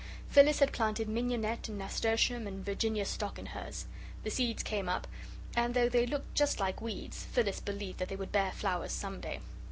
Phyllis had planted mignonette and nasturtium and Virginia Stock in hers. The seeds came up, and though they looked just like weeds, Phyllis believed that they would bear flowers some day.